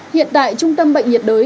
hiện tại trung tâm bệnh nhiệt đới